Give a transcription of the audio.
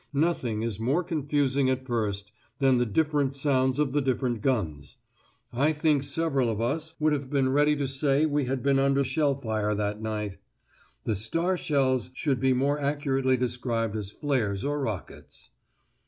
Nothing is more confusing at first than the different sounds of the different guns. I think several of us would have been ready to say we had been under shell fire that night! The "star shells" should be more accurately described as "flares" or "rockets."